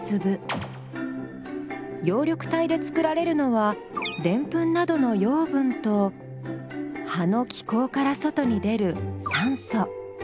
葉緑体で作られるのはデンプンなどの養分と葉の気孔から外に出る酸素。